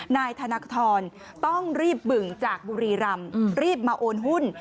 นายธนทรต้องรีบบึ่งจากบุรีรำรีบมาโอนหุ้น